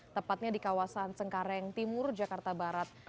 tepatnya di kawasan cengkareng timur jakarta barat